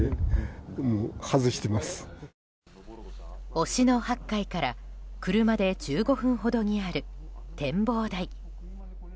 忍野八海から車で１５分ほどにある展望台。